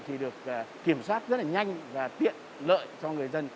thì được kiểm soát rất là nhanh và tiện lợi cho người dân